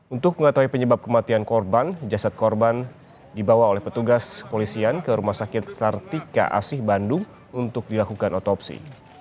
untuk mengetahui penyebab kematian korban jasad korban dibawa oleh petugas kepolisian ke rumah sakit sartika asih bandung untuk dilakukan otopsi